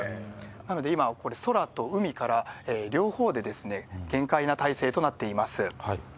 なので今、空と海から、両方で厳戒な態勢となっています。